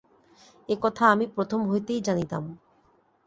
এ কথা আমি প্রথম হইতেই জানিতাম।